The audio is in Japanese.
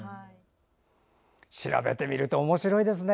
調べてみるとおもしろいですね。